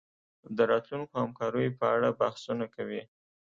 د راتلونکو همکاریو په اړه بحثونه کوي